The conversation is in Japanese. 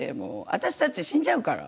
私たち死んじゃうから。